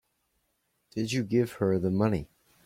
Did you give her the money?